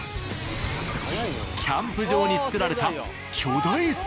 キャンプ場に作られた巨大滑り台。